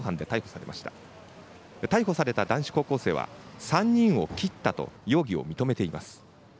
逮捕された男子高校生は３人を切ったと容疑を認めています。